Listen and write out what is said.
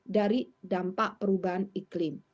dari dampak perubahan iklim